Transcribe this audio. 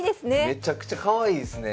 めちゃくちゃかわいいですね。